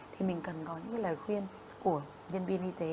thì mình cần có những lời khuyên của nhân viên y tế